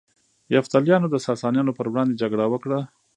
یفتلیانو د ساسانیانو پر وړاندې جګړه وکړه